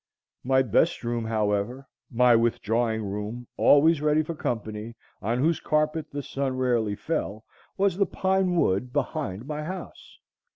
My "best" room, however, my withdrawing room, always ready for company, on whose carpet the sun rarely fell, was the pine wood behind my house.